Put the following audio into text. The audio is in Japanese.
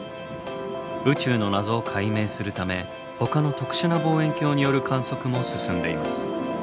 宇宙の謎を解明するためほかの特殊な望遠鏡による観測も進んでいます。